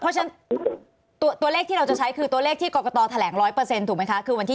เพราะฉะนั้นตัวเลขที่เราจะใช้คือตัวเลขที่กรกตแถลง๑๐๐ถูกไหมคะคือวันที่๑